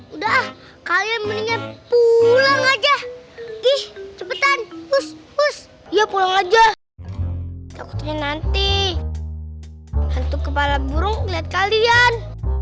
udah kalian pulang aja ih cepetan ya pulang aja nanti hantu kepala burung lihat kalian